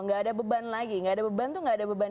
nggak ada beban lagi nggak ada beban tuh nggak ada beban